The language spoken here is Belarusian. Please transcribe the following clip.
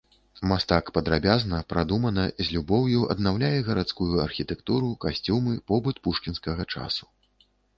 Мастак падрабязна, прадумана, з любоўю аднаўляе гарадскую архітэктуру, касцюмы, побыт пушкінскага часу.